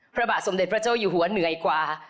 พระบาทสมเด็จพระเจ้าอยู่หัวเหนื่อยกว่า